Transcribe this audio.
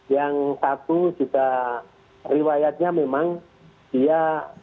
yang satu juga riwayatnya memang dia